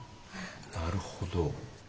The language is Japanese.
なるほど。